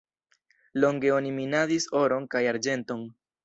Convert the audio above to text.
Longe oni minadis oron kaj arĝenton.